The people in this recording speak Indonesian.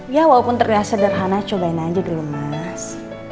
ya walaupun terlihat sederhana cobain aja dulu mas